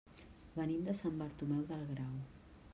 Venim de Sant Bartomeu del Grau.